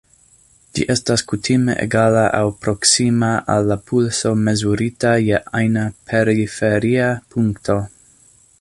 Ĝi estas kutime egala aŭ proksima al la pulso mezurita je ajna periferia punkto.